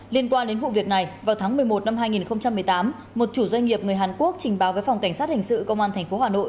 liên quan đến vụ việc này vào tháng một mươi một năm hai nghìn một mươi tám một chủ doanh nghiệp người hàn quốc trình báo với phòng cảnh sát hình sự công an tp hà nội